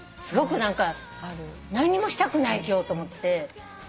すごく何か何にもしたくない今日と思って。